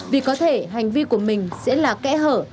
vì có thể hành vi của mình sẽ là kẽ hở